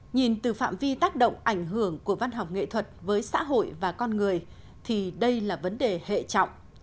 nhìn từ phạm vi tác động ảnh hưởng của văn học nghệ thuật với xã hội và con người thì đây là vấn đề hệ trọng